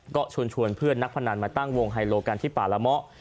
ก็ชวนเพื่อนนักพนันมาตั้งวงไฮโลกันที่ป่าละเมาะ